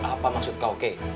belum kuat apa maksud kau kei